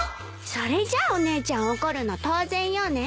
それじゃお姉ちゃん怒るの当然よね。